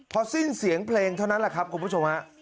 พอสิ้นเสียงเพลงเท่านั้นแหละครับคุณผู้ชมฮะ